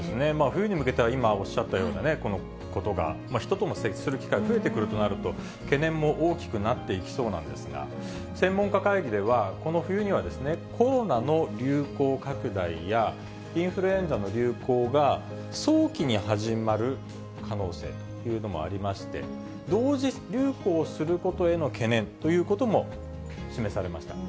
冬に向けてはおっしゃったようなことが、人とも接する機会、増えてくるとなると、懸念も大きくなっていきそうなんですが、専門家会議では、この冬にはコロナの流行拡大や、インフルエンザの流行が、早期に始まる可能性というのもありまして、同時流行することへの懸念ということも示されました。